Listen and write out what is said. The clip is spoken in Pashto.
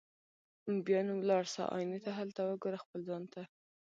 بیا نو ولاړ سه آیینې ته هلته وګوره خپل ځان ته